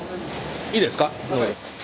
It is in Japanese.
いいですか？